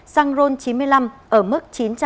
xăng ron chín mươi năm ở mức